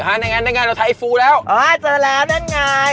อ้าวนั่งไงเราไทฟูแล้วอ้าวเจอแล้วนั่นไง